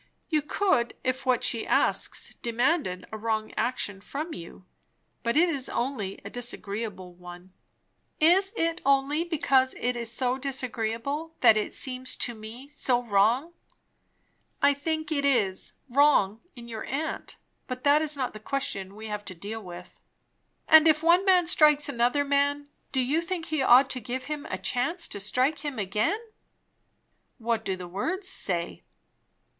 You could, if what she asks demanded a wrong action from you; but it is only a disagreeable one." "Is it only because it is so disagreeable, that it seems to me so wrong?" "I think it is wrong in your aunt; but that is not the question we have to deal with." "And if one man strikes another man do you think he ought to give him a chance to strike him again?" "What do the words _say?